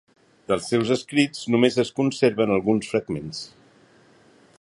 Dels seus escrits només es conserven alguns fragments.